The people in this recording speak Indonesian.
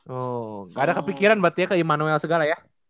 oh gak ada kepikiran berarti ya ke emmanuel segala ya